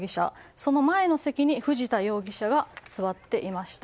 その前の席に藤田容疑者が座っていました。